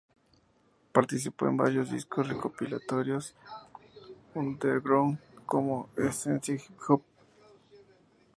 Participó en varios discos recopilatorios underground, como Esencia Hip Hop.